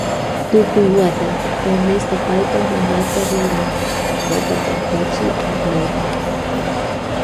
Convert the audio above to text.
Tukuy wata Ernesto paypa mamata ruran wata paktachi aknayta.